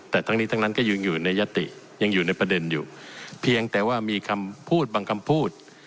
แต่ทั้งนี้ทั้งนั้นก็ยังอยู่ในยติยังอยู่ในประเด็นอยู่เพียงแต่ว่ามีคำพูดบางคำพูด